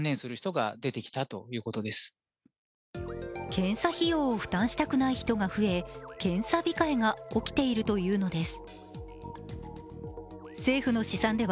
検査費用を負担したくない人が増え、検査控えが起きているというのです。